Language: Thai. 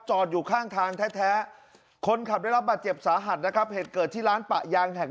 จอดอยู่ข้างทางแท้แท้คนขับได้รับบาดเจ็บสหัสเหตุเกิดที่ร้าน